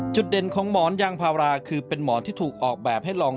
จุดเด่นของหมอนยังพาวาราคือหนที่ถูกออกแบบให้รองรับ